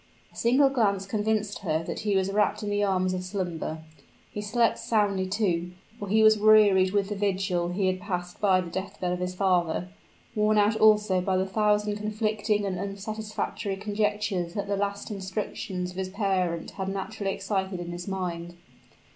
A single glance convinced her that he was wrapt in the arms of slumber. He slept soundly too for he was wearied with the vigil which he had passed by the death bed of his father worn out also by the thousand conflicting and unsatisfactory conjectures that the last instructions of his parent had naturally excited in his mind.